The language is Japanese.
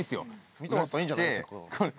見てもらったらいいんじゃないですか。